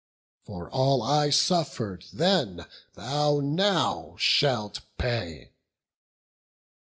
For all I suffer'd then, thou now shalt pay."